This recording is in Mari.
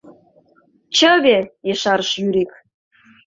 — Чыве! — ешарыш Юрик.